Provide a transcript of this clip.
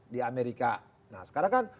di amerika nah sekarang kan